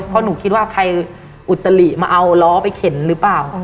เพราะหนูคิดว่าใครอุตลิมาเอาล้อไปเข็นหรือเปล่า